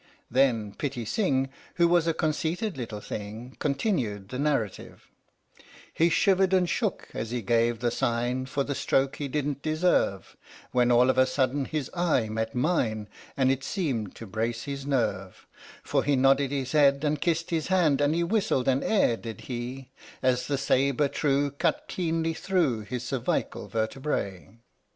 Then Pitti Sing, who was a conceited little thing, continued the narrative : He shivered and shook as he gave the sign For the stroke he didn't deserve, When all of a sudden his eye met mine And it seemed to brace his nerve, 99 THE STORY OF THE MIKADO For he nodded his head and kissed his hand And he whistled an air, did he, As the sabre true Cut cleanly through His cervical vertebrae